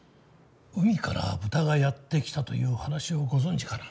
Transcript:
「海から豚がやってきた」という話をご存じかな？